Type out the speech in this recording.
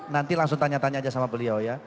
nanti langsung tanya tanya aja sama beliau ya